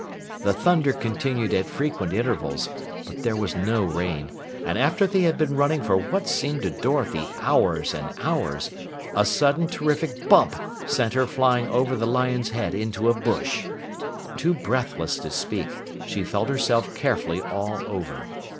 The thunder continued at frequent intervals, but there was no rain, and after they had been running for what seemed to Dorothy hours and hours, a sudden terrific bump sent her flying over the lion's head into a bush. Too breathless to speak, she felt herself carefully all over.